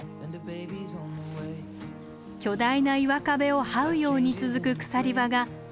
巨大な岩壁をはうように続く鎖場が最後の難関。